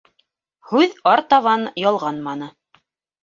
Һүҙ артабан ялғанманы.